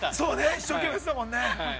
一生懸命やっていたもんね。